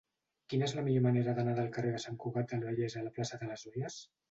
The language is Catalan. Quina és la millor manera d'anar del carrer de Sant Cugat del Vallès a la plaça de les Olles?